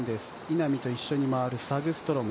稲見と一緒に回るサグストロム。